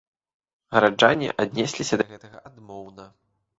Гараджане аднесліся да гэтага адмоўна.